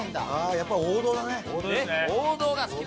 やっぱり王道だね。